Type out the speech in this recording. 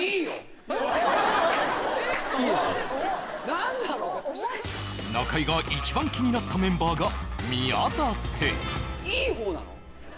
何だろう中居が一番気になったメンバーが宮舘「いい方」？